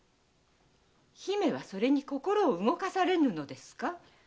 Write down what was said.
姫はそれに心を動かされぬのですか？